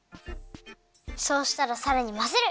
そうしたらさらにまぜる！